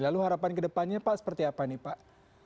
lalu harapan ke depannya pak seperti apa nih pak